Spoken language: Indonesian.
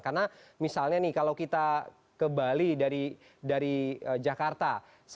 karena misalnya nih kalau kita ke bali dari jakarta